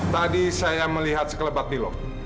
tadi saya melihat sekelebat pilot